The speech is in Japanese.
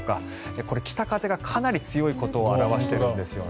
これは北風がかなり強いことを表しているんですよね。